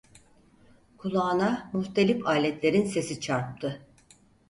Kulağına muhtelif aletlerin sesi çarptı.